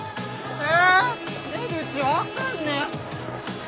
え出口分かんねえ。